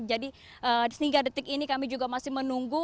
jadi sehingga detik ini kami juga masih menunggu